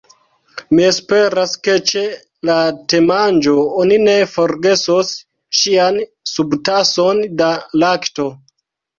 Mi esperas ke ĉe la temanĝo oni ne forgesos ŝian subtason da lakto.